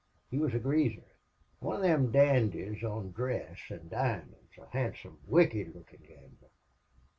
He wuz a greaser one of thim dandies on dress an' diamonds a handsome, wicked lookin' gambler.